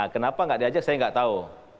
kenapa tidak diajak saya tidak tahu